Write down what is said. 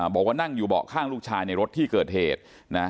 บอกว่านั่งอยู่เบาะข้างลูกชายในรถที่เกิดเหตุนะ